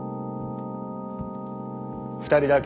２人だけ？